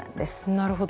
なるほど。